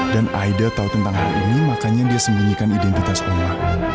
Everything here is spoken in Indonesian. dan aida tahu tentang hal ini makanya dia sembunyikan identitas oma